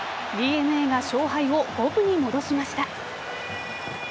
ＤｅＮＡが勝敗を五分に戻しました。